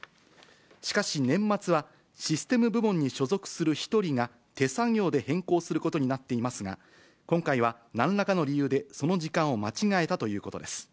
しかし、年末はシステム部門に所属する１人が、手作業で変更することになっていますが、今回はなんらかの理由でその時間を間違えたということです。